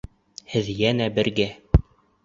Һеҙ йәнә бергә!